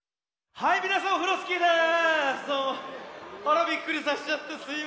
はいみなさんオフロスキーです。